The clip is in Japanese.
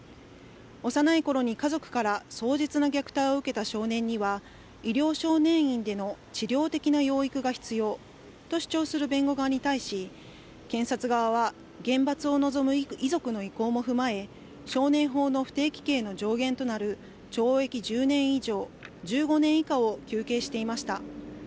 幼いころに家族から壮絶な虐待を受けた少年には、医療少年院での治療的な養育が必要と主張する弁護側に対し、検察側は、厳罰を望む遺族の意向も踏まえ、少年法の不定期刑の上限となる、懲役１０年以上１５年以下を求刑していました。